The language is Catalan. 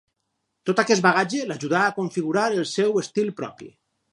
Tot aquest bagatge l'ajudà a configurar el seu estil propi.